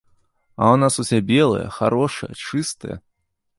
А ў нас усе белыя, харошыя, чыстыя!